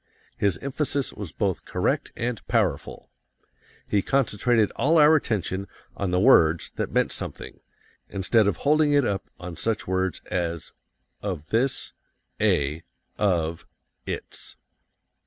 His emphasis was both correct and powerful. He concentrated all our attention on the words that meant something, instead of holding it up on such words as of this, a, of, It's.